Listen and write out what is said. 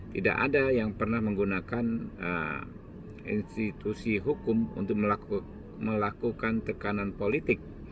tidak ada yang pernah menggunakan institusi hukum untuk melakukan tekanan politik